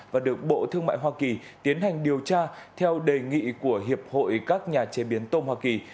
và được bộ thương mại hoa kỳ tiến hành điều tra theo đề nghị của hiệp hội các nhà chế biến tôm hoa kỳ